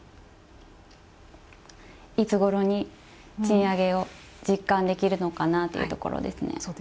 いつごろに賃上げを実感できるのかなというところですね。